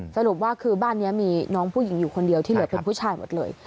สรุปว่าคือบ้านนี้มีน้องผู้หญิงอยู่คนเดียวที่เหลือเป็นผู้ชายหมดเลย